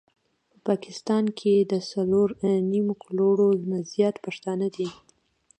په پاکستان کي د څلور نيم کروړ نه زيات پښتانه دي